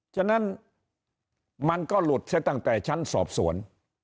ฉะนั้นมันก็หลุดซะตั้งแต่ชั้นสอบสวน